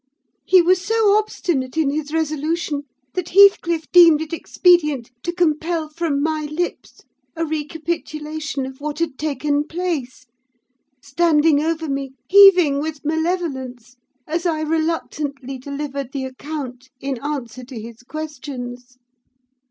He was so obstinate in his resolution, that Heathcliff deemed it expedient to compel from my lips a recapitulation of what had taken place; standing over me, heaving with malevolence, as I reluctantly delivered the account in answer to his questions.